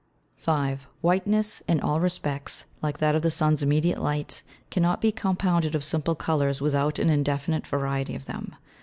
5. Whiteness, in all respects, like that of the Sun's immediate Light, cannot be compounded of Simple Colours without an indefinite Variety of them.